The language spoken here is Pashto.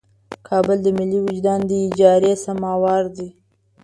کابل د ملي وجدان د اجارې سموار دی.